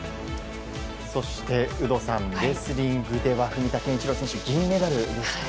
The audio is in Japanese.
そして、有働さんレスリングでは文田健一郎選手銀メダルでした。